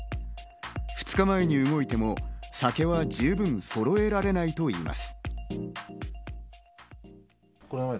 ２日前に動いても、酒は十分そろえられないといいます。